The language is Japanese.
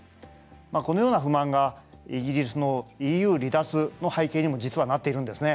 このような不満がイギリスのＥＵ離脱の背景にも実はなっているんですね。